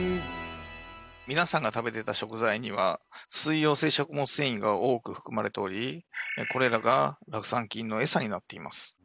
皆さんが食べてた食材には水溶性食物繊維が多く含まれておりこれらが酪酸菌の餌になっています